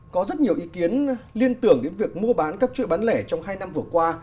có rất nhiều ý kiến liên tưởng đến việc mua bán các chuỗi bán lẻ trong hai năm vừa qua